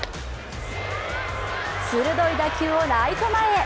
鋭い打球をライト前へ。